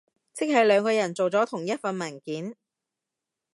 即係兩個人做咗同一份文件？